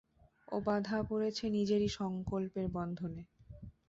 ও বাঁধা পড়েছে নিজেরই সংকল্পের বন্ধনে।